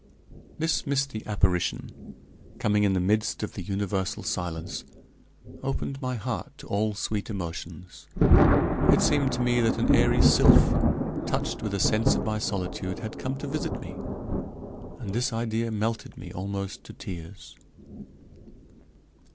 This misty apparition, coming in the midst of the universal silence, opened my heart to all sweet emotions. It seemed to me that an airy sylph, touched with a sense of my solitude, had come to visit me, and this idea melted me almost to tears.